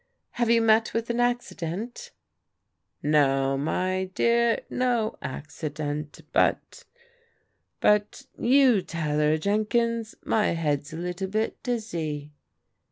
"Have you met with an accident ?"" No, my dear, no accident, but — but — ^you tell her, Jenkins. My head's a little bit dizzy."